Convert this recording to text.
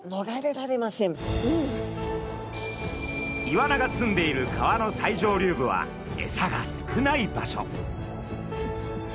イワナがすんでいる川の最上流部はエサが少ない場所。